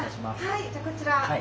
はいじゃあこちら。